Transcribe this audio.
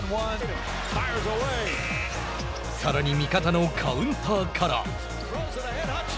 さらに味方のカウンターから。